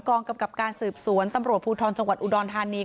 กำกับการสืบสวนตำรวจภูทรจังหวัดอุดรธานี